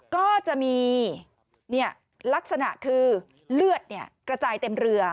ก็จะมีเนี่ยลักษณะคือเลือดเนี่ยกระจายเต็มเรือ